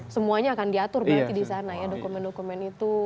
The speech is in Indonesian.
semuanya akan diatur berarti di sana ya dokumen dokumen itu